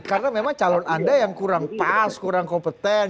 karena memang calon anda yang kurang pas kurang kompeten